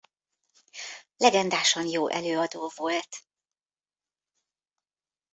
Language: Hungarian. Legendásan jó előadó volt.